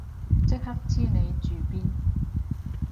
即刻知你住邊